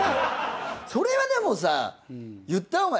それはでもさ言った方が。